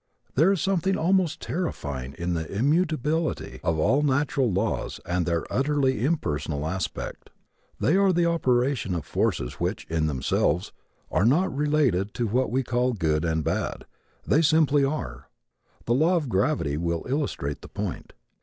There is something almost terrifying in the immutability of all natural laws and their utterly impersonal aspect. They are the operation of forces which, in themselves, are not related to what we call good and bad. They simply are. The law of gravity will illustrate the point.